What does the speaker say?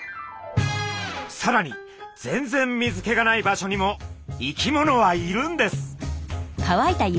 さらに全然水けがない場所にも生き物はいるんです。